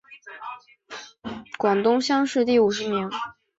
广东乡试第五十名。